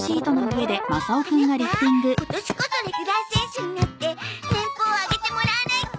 アナタ今年こそレギュラー選手になって年俸を上げてもらわないと。